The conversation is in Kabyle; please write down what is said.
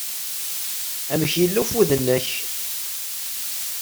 Amek yella ufud-nnek?